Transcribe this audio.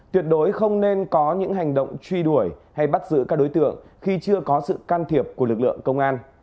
tuyệt đối không nên có những hành động truy đuổi hay bắt giữ các đối tượng khi chưa có sự can thiệp của lực lượng công an